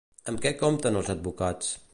Amb què compten els advocats?